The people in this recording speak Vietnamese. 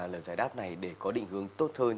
là giải đáp này để có định hướng tốt hơn